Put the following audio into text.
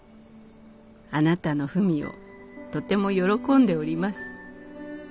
あなたの文をとても喜んでおります」。